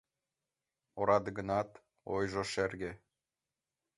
— Ораде гынат, ойжо шерге.